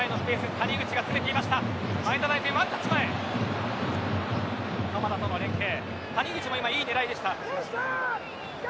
谷口もいい狙いでした。